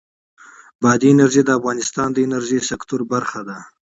بادي انرژي د افغانستان د انرژۍ سکتور برخه ده.